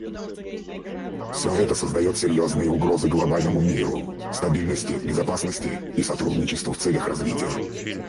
Всё это создает серьезные угрозы глобальному миру, стабильности, безопасности и сотрудничеству в целях развития.